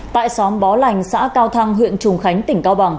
tại xóm bó lành xã cao thăng huyện trùng khánh tỉnh cao bằng